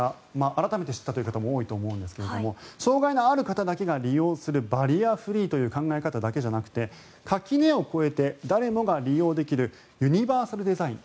改めて知ったという方も多いと思うんですけれども障害のある方だけが利用するバリアフリーという考え方じゃなく垣根を越えて誰もが利用できるユニバーサルデザイン